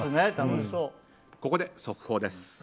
ここで速報です。